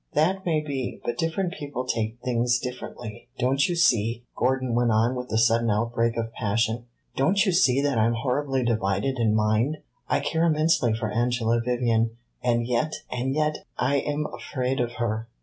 "That may be; but different people take things differently. Don't you see," Gordon went on with a sudden outbreak of passion "don't you see that I am horribly divided in mind? I care immensely for Angela Vivian and yet and yet I am afraid of her."